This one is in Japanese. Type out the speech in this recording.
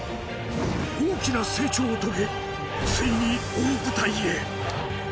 大きな成長を遂げ、ついに、大舞台へ。